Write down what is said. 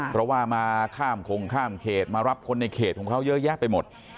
เพราะว่ามาข้ามคงข้ามเขตมารับคนในเขตของเขาเยอะแยะไปหมด